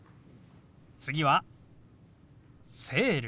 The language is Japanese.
次は「セール」。